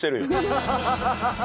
ハハハハ！